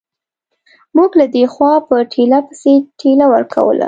موږ له دې خوا په ټېله پسې ټېله ورکوله.